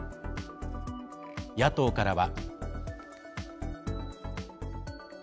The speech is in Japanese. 野党からは。